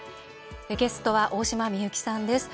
ゲストは、大島美幸さんです。